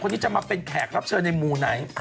คนนี้จะมาเป็นแขกรับเชิญในมูลไหน